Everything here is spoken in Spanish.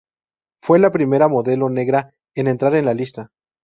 Fue la primera modelo negra en entrar en la lista.